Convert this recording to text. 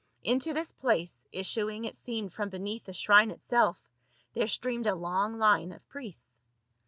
Into this place, issuing it seemed from beneath the shrine itself, there streamed a long line of priests.